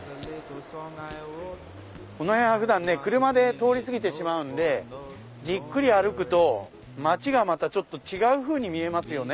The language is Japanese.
この辺は普段車で通り過ぎてしまうんでじっくり歩くと街が違うふうに見えますよね。